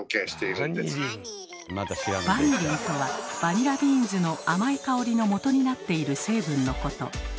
バニリンとはバニラビーンズの甘い香りのもとになっている成分のこと。